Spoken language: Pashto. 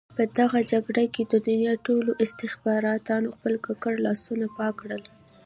په دغه جګړه کې د دنیا ټولو استخباراتو خپل ککړ لاسونه پاک کړل.